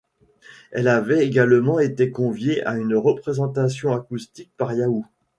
Elle avait également été conviée à une représentation acoustique par Yahoo!